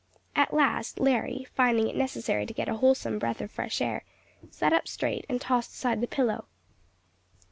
At last, Larry, finding it necessary to get a wholesome breath of fresh air, sat up straight and tossed aside the pillow.